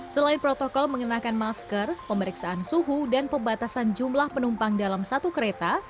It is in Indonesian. selain protokol mengenakan masker pemeriksaan suhu dan pembatasan jumlah penumpang dalam satu kereta